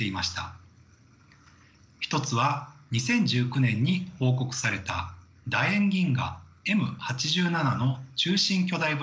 １つは２０１９年に報告された楕円銀河Ｍ８７の中心巨大ブラックホール。